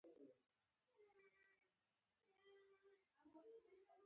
خلک د عبادت ځایونو ته ډېر درناوی لري.